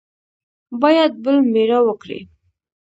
باید بل مېړه وکړي.